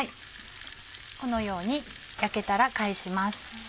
このように焼けたら返します。